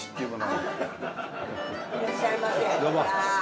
あらいらっしゃいませ。